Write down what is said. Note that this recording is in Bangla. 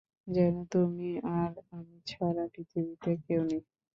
যেন তুমি আর আমি ছাড়া পৃথিবীতে কেউ নেই।